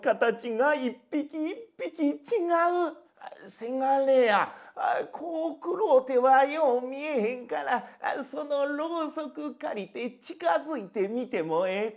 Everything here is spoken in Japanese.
「せがれやこう暗うてはよう見えへんからそのろうそく借りて近づいて見てもええか」。